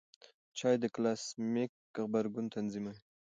چای د ګلاسیمیک غبرګون تنظیموي.